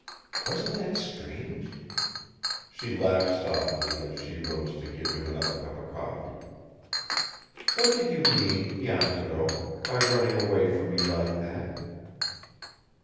Wasn't that strange?" She laughed softly, as she rose to give him another cup of coffee. "What did you mean, Jan Thoreau, by running away from me like that?"